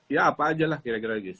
ya apa aja lah kira kira gus